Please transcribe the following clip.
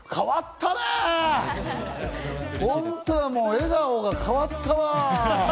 笑顔が変わったわ。